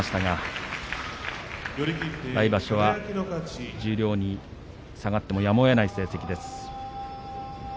来場所は十両に下がってもやむをえない成績です。